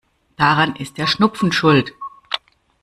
Daran ist der Schnupfen schuld.